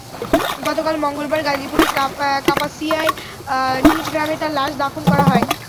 গতকাল মঙ্গলবার গাজীপুরের কাপাসিয়ায় নিজ গ্রামে তাঁর লাশ দাফন করা হয়।